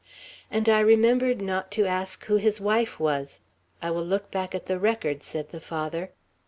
"And I remembered not to ask who his wife was. I will look back at the record," said the Father.